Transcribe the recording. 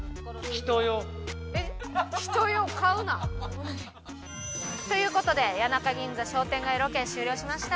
「人よ買うな」？という事で谷中銀座商店街ロケ終了しました。